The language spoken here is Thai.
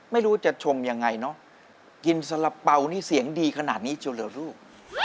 ไม่รู้จะชมยังไงเนอะกินสละเป๋านี่เสียงดีขนาดนี้เชียวเหรอลูก